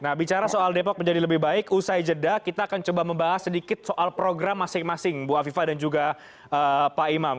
nah bicara soal depok menjadi lebih baik usai jeda kita akan coba membahas sedikit soal program masing masing bu afifah dan juga pak imam